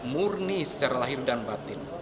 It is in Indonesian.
murni secara lahir dan batin